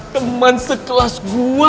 teman sekelas gue